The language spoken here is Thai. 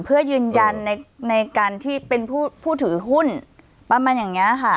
เพื่อยืนยันในการที่เป็นผู้ถือหุ้นประมาณอย่างนี้ค่ะ